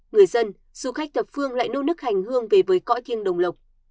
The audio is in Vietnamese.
người dân du khách thập phương lại nô nức hành hương về với cõi thiên đồng lộc